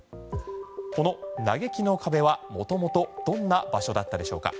この嘆きの壁は元々どんな場所だったでしょうか。